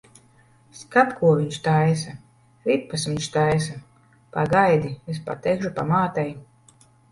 Skat, ko viņš taisa! Ripas viņš taisa. Pagaidi, es pateikšu pamātei.